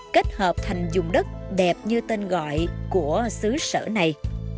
kết hợp thành dùng đất đẹp như tên gọi của xứ sở này